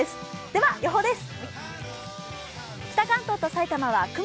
では、予報です。